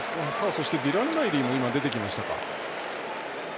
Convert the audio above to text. そしてディラン・ライリーも出てきましたか。